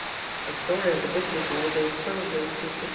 The story of the Bisley Boy dates probably to 1543 4.